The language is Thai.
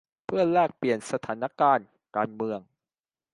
เพื่อแลกเปลี่ยนสถานการณ์การเมือง